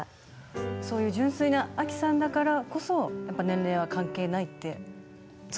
そういう純粋なアキさんだからこそやっぱ年齢は関係ないって。